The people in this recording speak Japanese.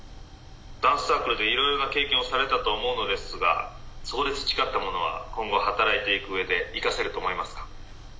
「ダンスサークルでいろいろな経験をされたと思うのですがそこで培ったものは今後働いていく上で生かせると思いますか？」。